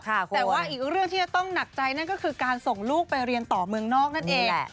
แต่ว่าอีกเรื่องที่จะต้องหนักใจนั่นก็คือการส่งลูกไปเรียนต่อเมืองนอกนั่นเอง